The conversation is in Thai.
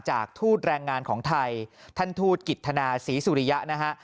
ทูตแรงงานของไทยท่านทูตกิจธนาศรีสุริยะนะฮะ